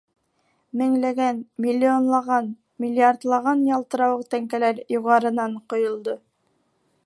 Меңләгән, миллионлаған, миллиардлаған ялтырауыҡ тәңкәләр юғарынан ҡойолдо.